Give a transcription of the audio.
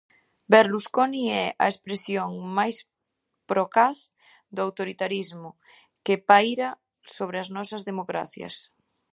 Berlusconi é a expresión máis procaz do autoritarismo que paira sobre as nosas democracias.